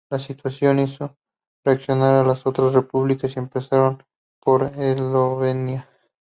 Esta situación hizo reaccionar a las otras repúblicas, empezando por Eslovenia.